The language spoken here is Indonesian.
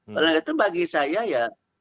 karena itu bagi saya ya